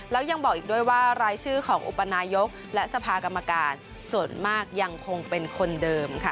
แล้วยังบอกอีกด้วยว่ารายชื่อของอุปนายกและสภากรรมการส่วนมากยังคงเป็นคนเดิมค่ะ